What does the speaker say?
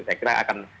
saya kira akan